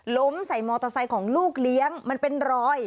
ล้มใส่มอเตอร์ไซค์ของลูกเลี้ยงมันเป็นรอย